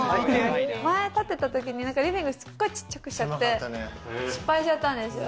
前、建てたときにリビングすごくちっちゃくしゃって、失敗しちゃったんですよ。